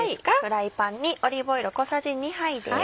フライパンにオリーブオイルを小さじ２杯です。